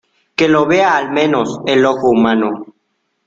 que lo vea, al menos , el ojo humano.